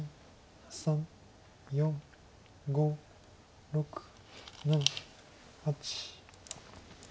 ３４５６７８。